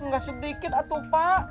nggak sedikit atuh pak